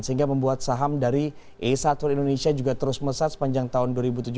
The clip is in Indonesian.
sehingga membuat saham dari a satu indonesia juga terus mesat sepanjang tahun dua ribu tujuh belas